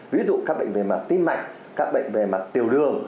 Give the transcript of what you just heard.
ví dụ các bệnh về mặt tim mạch các bệnh về mặt tiểu đường